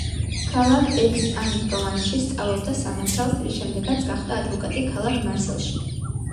ქალაქ ექს-ან-პროვანსში სწავლობდა სამართალს, რის შემდეგაც გახდა ადვოკატი ქალაქ მარსელში.